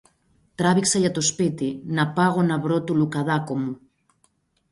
Τράβηξα για το σπίτι, να πάγω να βρω το Λουκαδάκο μου